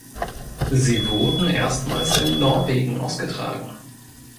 Sie wurden erstmals in Norwegen ausgetragen.